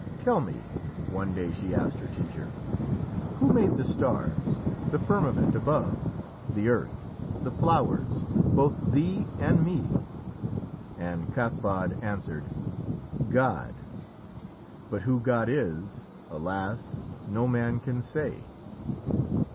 "Tell me," one day she asked her teacher, "who made the stars, the firmament above, the earth, the flowers, both thee and me?" And Cathbad answered: "God. But who God is, alas! no man can say."